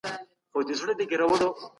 مرګ انسان له ټولو بدبختیو خلاصوي.